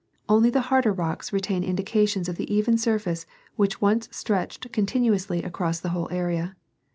Only the harder rocks retain indications of the even surface which once stretched continuously across the whole area.